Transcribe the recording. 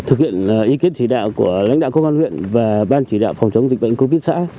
thực hiện ý kiến chỉ đạo của lãnh đạo công an huyện và ban chỉ đạo phòng chống dịch bệnh covid xã